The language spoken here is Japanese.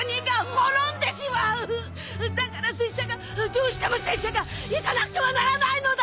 どうしても拙者が行かなくてはならないのだ！